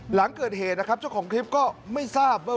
หลังเกิดเหตุนะครับเจ้าของคลิปก็ไม่ทราบว่า